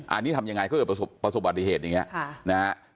อันนี้ทำยังไงก็เกิดประสบบัติเหตุอย่างนี้นะฮะ